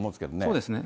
そうですね。